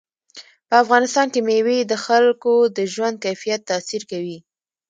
په افغانستان کې مېوې د خلکو د ژوند کیفیت تاثیر کوي.